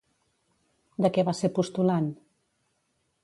De què va ser postulant?